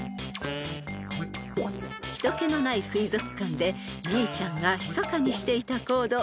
［人けのない水族館でメイちゃんがひそかにしていた行動］